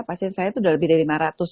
pasien saya itu sudah lebih dari lima ratus